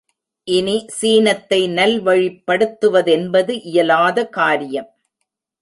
இனி சீனத்தை நல்வழிபடுத்துவதென்பது இயலாத காரியம்.